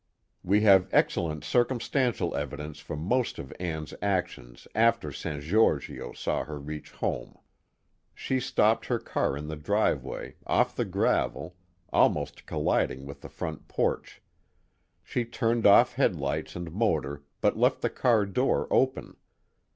We have excellent circumstantial evidence for most of Ann's actions after San Giorgio saw her reach home. She stopped her car in the driveway, off the gravel, almost colliding with the front porch. She turned off headlights and motor but left the car door open.